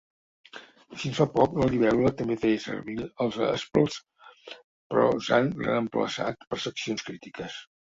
Fins fa poc, la libèl·lula també feia servir spls, però s'han reemplaçat per seccions crítiques.